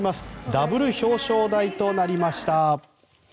ダブル表彰台となりました。